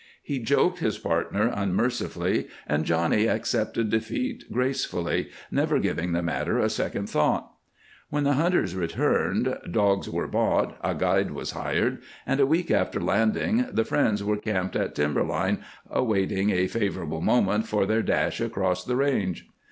He joked his partner unmercifully, and Johnny accepted defeat gracefully, never giving the matter a second thought. When the hunters returned, dogs were bought, a guide was hired, and, a week after landing, the friends were camped at timber line awaiting a favorable moment for their dash across the range.